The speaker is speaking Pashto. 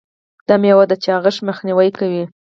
دا میوه د چاغښت مخنیوی کوي.